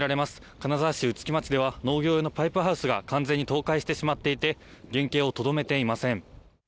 金沢市打木町では農業用のパイプハウスが完全に倒壊してしまっていて原形をとどめていません。